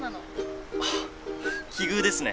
あっ奇遇ですね。